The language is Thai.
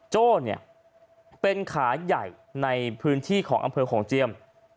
โจ้เนี่ยเป็นขาใหญ่ในพื้นที่ของอำเภอโขงเจียม